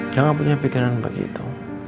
jangan punya pikiran begitu